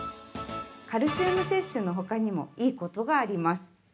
カルシウム摂取のほかにもいいことがあります。